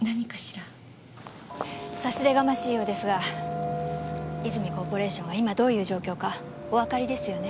差し出がましいようですが泉コーポレーションが今どういう状況かおわかりですよね？